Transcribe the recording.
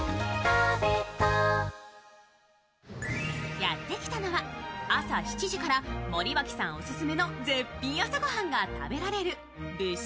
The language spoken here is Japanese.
やってきたのは朝７時から森脇さんオススメの絶品朝ご飯が食べられる節